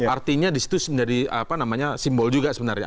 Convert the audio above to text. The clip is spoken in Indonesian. artinya disitu menjadi apa namanya simbol juga sebenarnya